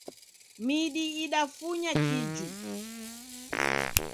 Midi idafunya kiju.